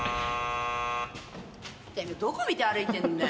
てめえどこ見て歩いてんだよ